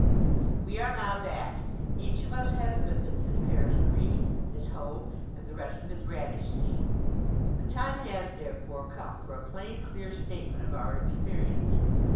We are now back. Each of us has with him his Paris Green, his hoe and the rest of his radish seed. The time has, therefore, come for a plain, clear statement of our experience.